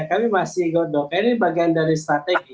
kami masih godok ini bagian dari strategi